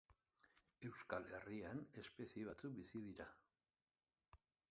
Euskal Herrian espezie batzuk bizi dira.